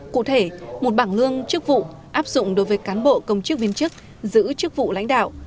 cụ thể một bảng lương chức vụ áp dụng đối với cán bộ công chức viên chức giữ chức vụ lãnh đạo